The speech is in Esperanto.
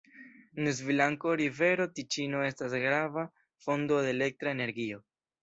En Svislando rivero Tiĉino estas grava fonto de elektra energio.